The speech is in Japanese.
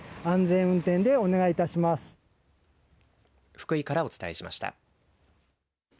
福井からお伝えしました。